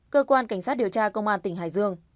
cơ quan cảnh sát điều tra công an tỉnh hải dương